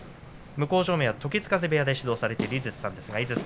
向正面は時津風部屋で指導している井筒さんです。